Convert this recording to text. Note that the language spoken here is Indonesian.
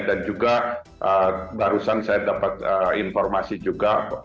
dan juga barusan saya dapat informasi juga